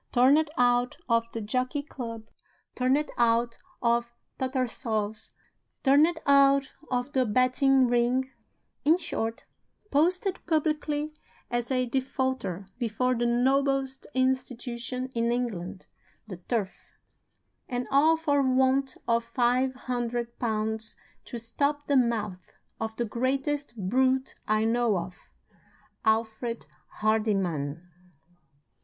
Turned out of the Jockey Club, turned out of Tattersalls', turned out of the betting ring; in short, posted publicly as a defaulter before the noblest institution in England, the Turf and all for want of five hundred pounds to stop the mouth of the greatest brute I know of, Alfred Hardyman!